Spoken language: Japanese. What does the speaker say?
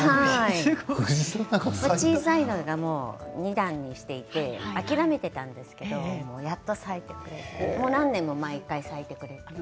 小さいのが２段にして諦めていたんですけどやっと咲いてくれてもう何年も毎回、咲いてくれています。